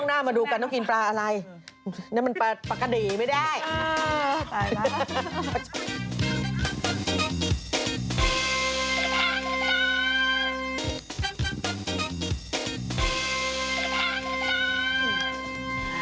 ตายแล้ว